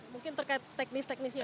mungkin terkait teknis teknisnya